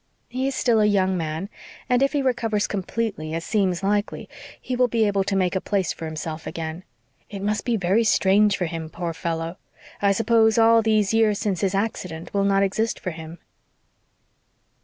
"He is still a young man, and if he recovers completely, as seems likely, he will be able to make a place for himself again. It must be very strange for him, poor fellow. I suppose all these years since his accident will not exist for him."